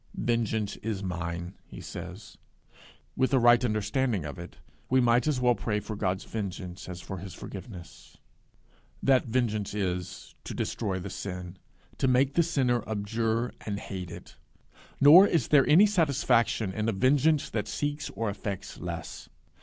'Vengeance is mine,' he says: with a right understanding of it, we might as well pray for God's vengeance as for his forgiveness; that vengeance is, to destroy the sin to make the sinner abjure and hate it; nor is there any satisfaction in a vengeance that seeks or effects less.